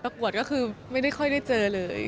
กวดก็คือไม่ได้ค่อยได้เจอเลย